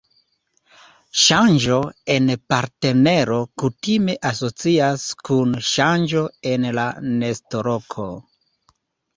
Ŝanĝo en partnero kutime asocias kun ŝanĝo en la nestoloko.